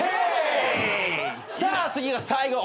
さあ次が最後。